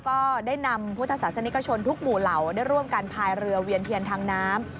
ก็ได้นำพุทธศาสนิกชนทุกหมู่เหล่าได้ร่วมกันพายเรือเวียนเทียนทางน้ำ